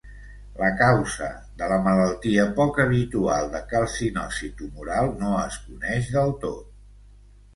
La causa de la malaltia poc habitual de calcinosi tumoral no es coneix del tot.